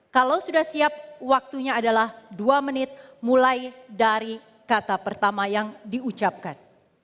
kalau sudah siap waktunya adalah dua menit mulai dari kata pertama yang diucapkan